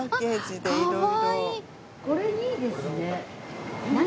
これいいですね。